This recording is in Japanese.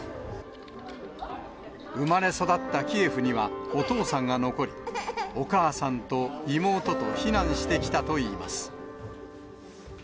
生まれ育ったキエフにはお父さんが残り、お母さんと妹と避難してきたといいます。